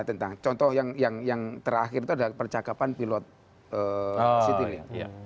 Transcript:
tentang contoh yang terakhir itu adalah percakapan pilot situs